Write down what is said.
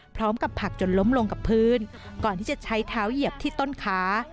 ผักจนล้มลงกับพื้นก่อนที่จะใช้เท้าเหยียบที่ต้นขา